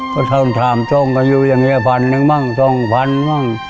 ก็ถามอยู่อย่างนี้๑๐๐๐บาทมั้ง๒๐๐๐บาทมาก